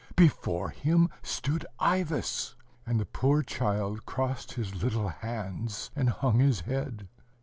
before him stood Ivas. And the poor child crossed his little hands, and hung his head.